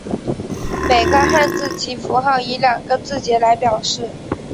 每个汉字及符号以两个字节来表示。